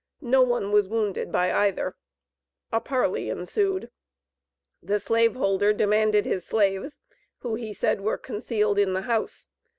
No one was wounded by either. A parley ensued. The slave holder demanded his slaves, who he said were concealed in the house.